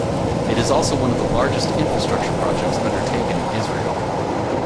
It is also one of the largest infrastructure projects undertaken in Israel.